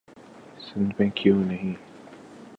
سندھ میں کیوں نہیں؟